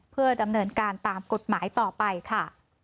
เพื่อดำเนินการตามกฎหมายต่อไปค่ะ